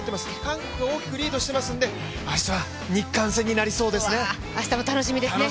韓国が大きくリードしてますので明日は日韓戦になりそうですね。